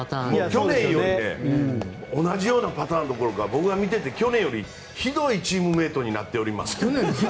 去年より同じパターンどころか僕が見ていて去年よりひどいチームメートになっています。